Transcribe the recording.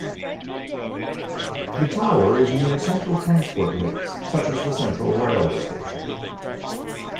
The Tower is near central transport links such as the Central railway station.